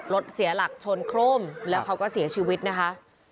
เสียหลักชนโครมแล้วเขาก็เสียชีวิตนะคะ